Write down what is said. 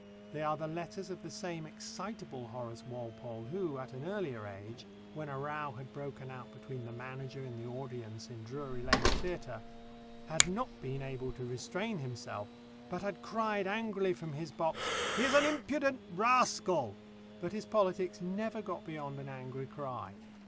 They are the letters of the same excitable Horace Walpole who, at an earlier age, when a row had broken out between the manager and the audience in Drury Lane Theatre, had not been able to restrain himself, but had cried angrily from his box, "He is an impudent rascal!" But his politics never got beyond an angry cry.